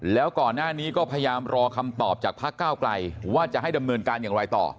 แล้วก่อนหน้านี้ก็พยายามรอคำตอบจากพักเก้าไกลว่าจะให้ดำเนินการอย่างไรต่อ